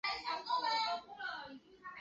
顺治十一年辛卯科江南乡试举人。